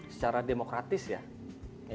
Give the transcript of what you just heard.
secara demokratis ya